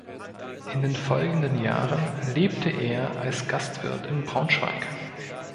In den folgenden Jahren lebte er als Gastwirt in Braunschweig.